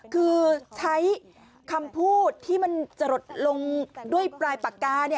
คือใช้คำพูดที่มันจะหลดลงด้วยปลายปากกา